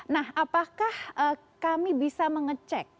nah apakah kami bisa mengecek